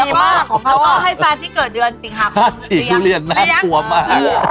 เขาก็ให้แฟนที่เกิดเดือนศรีฮาคมเป็นผู้เตรียมนะฉี่ทุเรียนน่ะภูมิมาก